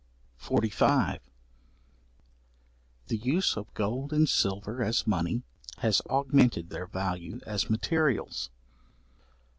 §45. The use of gold and silver, as money, has augmented their value as materials.